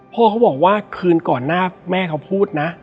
พ่อเขาบอกว่าคืนก่อนหน้าแม่เขาพูดนะ